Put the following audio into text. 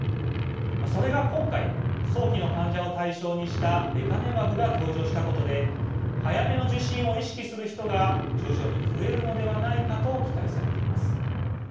それが、今回早期の患者を対象にしたレカネマブが登場したことで早めの受診を意識する人が徐々に増えるのではないかと期待されています。